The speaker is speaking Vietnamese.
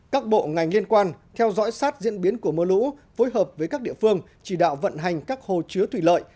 các bộ ngành liên quan theo dõi sát diễn biến của mưa lũ phối hợp với các địa phương chỉ đạo vận hành các hồ chứa thủy lợi